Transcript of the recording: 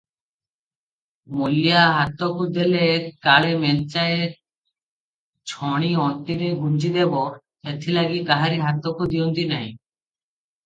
ମୂଲିଆ ହାତକୁ ଦେଲେ କାଳେ ମେଞ୍ଚାଏ ଛଣି ଅଣ୍ଟିରେ ଗୁଞ୍ଜିଦେବ, ସେଥିଲାଗି କାହାରି ହାତକୁ ଦିଅନ୍ତି ନାହିଁ ।